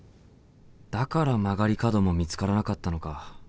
だから曲がり角も見つからなかったのか。